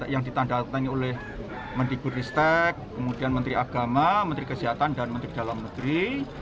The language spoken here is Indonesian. yang ditandatangani oleh mendikbud ristek kemudian menteri agama menteri kesehatan dan menteri dalam negeri